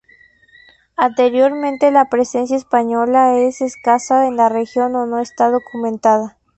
Anteriormente la presencia española es escasa en la región, o no está documentada.